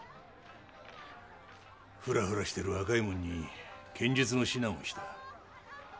ふらふらしてる若い者に剣術の指南をした。